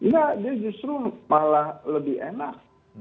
ya dia justru malah lebih enak